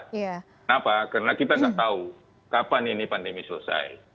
kenapa karena kita tidak tahu kapan ini pandemi selesai